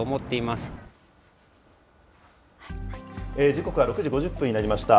時刻は６時５０分になりました。